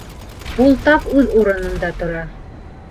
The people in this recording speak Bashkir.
Ул тап үҙ урынында тора.